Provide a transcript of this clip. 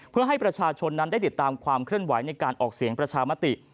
เพื่อให้ประชาชนนั้นได้ติดตามความเคลื่อนไหวในการออกเสียงประชามติ